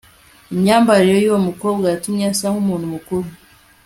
Imyambarire yuwo mukobwa yatumye asa nkumuntu mukuru